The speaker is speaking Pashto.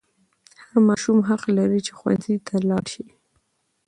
هر ماشوم حق لري چې ښوونځي ته ولاړ شي.